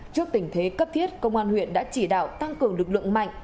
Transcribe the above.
trước tình thế cấp thiết công an huyện đã chỉ đạo tăng cường lực lượng mạnh